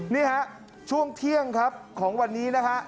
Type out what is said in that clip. นี่ครับช่วงเที่ยงของวันนี้นะครับ